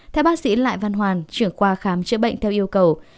theo bác sĩ lại văn hoàn trưởng khoa khám chữa bệnh theo yêu cầu